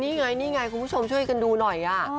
นี่ไงนี่ไงคุณผู้ชมช่วยกันดูหน่อย